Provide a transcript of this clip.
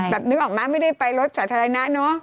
แบบนึกออกมาไม่ได้ไปรถสระทะเลนะเนอะ